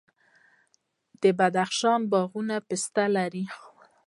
د بدخشان باغونه پستې لري.